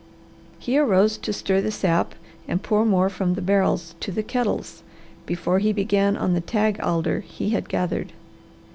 He arose to stir the sap and pour more from the barrels to the kettles before he began on the tag alder he had gathered.